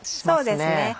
そうですね。